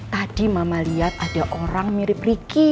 tadi mama liat ada orang mirip riki